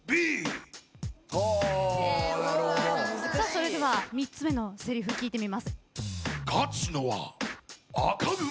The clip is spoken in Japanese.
それでは３つ目のせりふ聴いてみます。